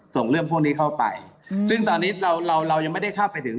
ส่งเรื่องพวกนี้เข้าไปซึ่งตอนนี้เราเรายังไม่ได้เข้าไปถึง